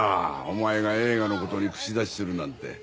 お前が映画のことに口出しするなんて。